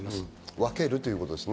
分けるということですね。